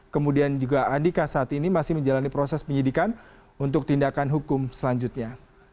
kemudian juga andika saat ini masih menjalani proses penyidikan untuk tindakan hukum selanjutnya